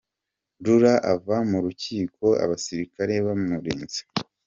Lulu ava mu rukiko abasirikare bamurinze .